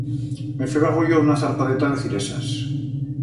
Me feba goyo una zarpadeta de ciresas.